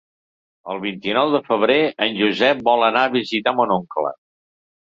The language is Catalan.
El vint-i-nou de febrer en Josep vol anar a visitar mon oncle.